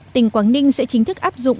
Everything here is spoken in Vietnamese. tỉnh quảng ninh sẽ chính thức áp dụng